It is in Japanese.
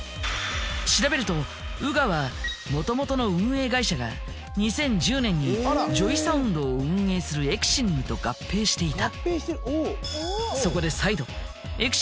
調べるとＵＧＡはもともとの運営会社が２０１０年にＪＯＹＳＯＵＮＤを運営するエクシングと合併していた。